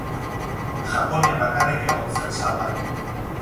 Japonian bakarrik egon zen salgai.